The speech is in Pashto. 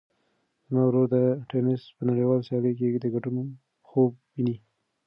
زما ورور د تېنس په نړیوالو سیالیو کې د ګډون خوب ویني.